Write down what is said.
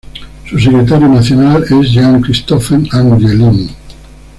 Su secretario nacional es Jean-Christophe Angelini.